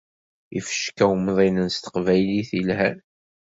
Ifecka umḍinen s teqbaylit lhan.